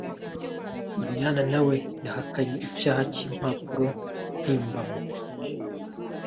Diane nawe yahakanye icyaha cy’impapuro mpimbamo